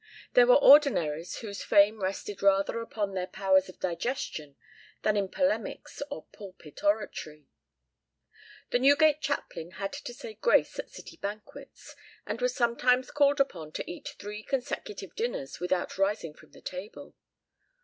There were ordinaries whose fame rested rather upon their powers of digestion than in polemics or pulpit oratory. The Newgate chaplain had to say grace at city banquets, and was sometimes called upon to eat three consecutive dinners without rising from the table.